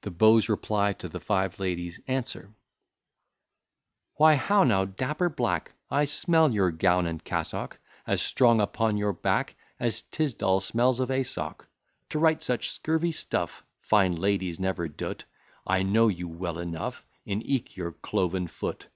THE BEAU'S REPLY TO THE FIVE LADIES' ANSWER Why, how now, dapper black! I smell your gown and cassock, As strong upon your back, As Tisdall smells of a sock. To write such scurvy stuff! Fine ladies never do't; I know you well enough, And eke your cloven foot.